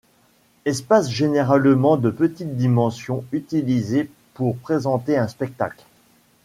Espace généralement de petite dimension utilisé pour présenter un spectacle.